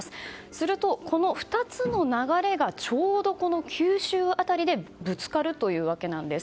すると、この２つの流れがちょうど九州辺りでぶつかるというわけなんです。